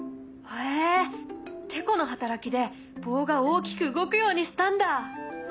へえてこの働きで棒が大きく動くようにしたんだ。